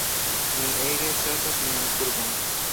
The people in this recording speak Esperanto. Mi ege ŝatas mian urbon.